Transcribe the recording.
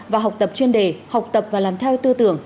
và học tập chuyên đề học tập và làm theo tư tưởng